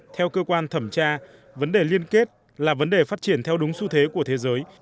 theo cơ quan thẩm tra vấn đề liên kết là vấn đề phát triển theo đúng xu thế của thế giới